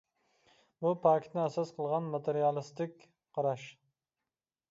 بۇ پاكىتنى ئاساس قىلغان ماتېرىيالىستىك قاراش.